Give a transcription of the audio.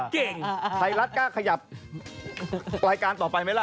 ใครรักก็ขยับรายการต่อไปไหมละ